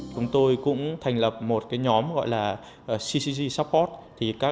chúng tôi cũng thành lập một nhóm gọi là ccg support